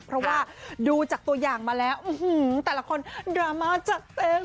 เพราะว่าดูจากตัวอย่างมาแล้วแต่ละคนดราม่าจัดเต็ม